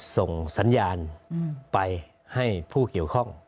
ส่งสัญญาณไปให้ผู้เกี่ยวข้อง